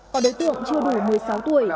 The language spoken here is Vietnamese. còn đối tượng chưa đủ một mươi sáu tuổi